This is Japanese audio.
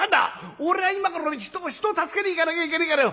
俺は今から人を助けに行かなきゃいけねえからよ